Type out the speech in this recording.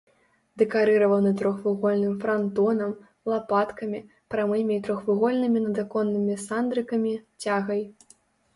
Дэкарыраваны трохвугольным франтонам, лапаткамі, прамымі і трохвугольнымі надаконнымі сандрыкамі, цягай.